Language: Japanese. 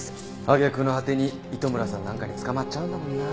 揚げ句の果てに糸村さんなんかに捕まっちゃうんだもんな。